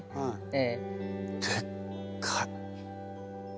でっかい！